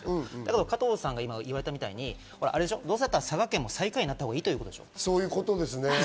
加藤さんが言われたみたいにどうせだったら佐賀県も最下位になったほうがいいってことでしょ？